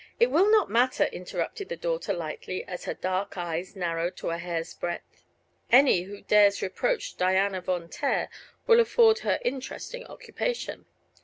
"It will not matter," interrupted the daughter, lightly, as her dark eyes narrowed to a hair's breadth. "Any who dares reproach Diana Von Taer will afford her interesting occupation.